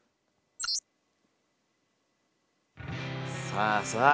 さあさあ